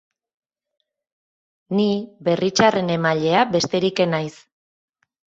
Ni berri txarren emailea besterik ez naiz.